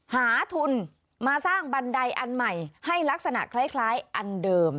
หาทุนมาสร้างบันไดอันใหม่ให้ลักษณะคล้ายอันเดิม